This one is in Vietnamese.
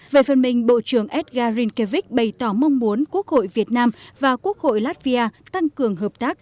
về phần mình bộ trưởng edgar rinkevich bày tỏ mong muốn quốc hội việt nam và quốc hội latvia tăng cường hợp tác